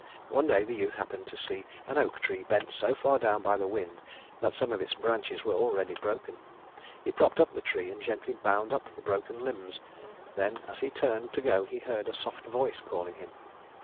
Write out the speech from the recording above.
One day the youth happened to see an oak tree bent so far down by the wind that some of its branches were already broken. He propped up the tree, and gently bound up the broken limbs; then as he turned to go, he heard a soft voice calling him.